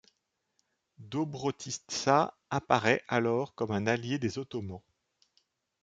Dobrotitsa apparaît alors comme un allié des Ottomans.